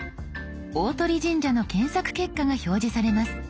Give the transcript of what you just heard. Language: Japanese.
大鳥神社の検索結果が表示されます。